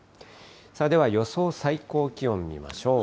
では予想最高気温見ましょう。